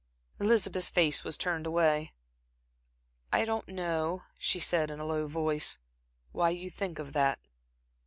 Elizabeth's face was turned away. "I don't know," she said in a low voice, "why you think of that."